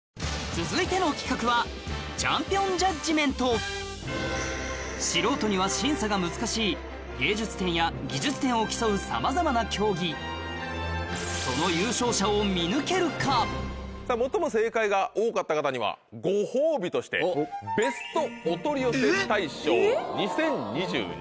続いての企画は素人には審査が難しい芸術点や技術点を競うさまざまな競技その最も正解が多かった方にはご褒美としてベストお取り寄せ大賞２０２２